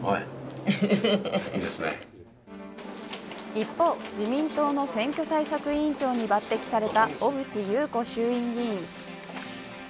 一方、自民党の選挙対策委員長に抜てきされた小渕優子衆院議員。